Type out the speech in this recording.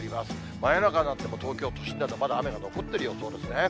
真夜中になっても東京都心などはまだ雨が残ってる予想ですね。